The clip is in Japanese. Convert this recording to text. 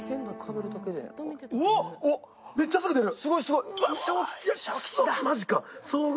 めっちゃすぐ出てくる。